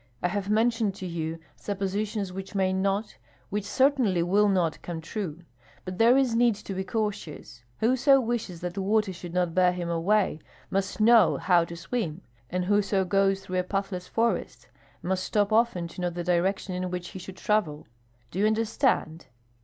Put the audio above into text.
I have mentioned to you suppositions which may not, which certainly will not, come true. But there is need to be cautious. Whoso wishes that water should not bear him away must know how to swim, and whoso goes through a pathless forest must stop often to note the direction in which he should travel. Do you understand?"